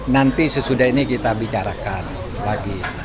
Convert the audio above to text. nanti sesudah ini kita bicarakan lagi